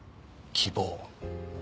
希望？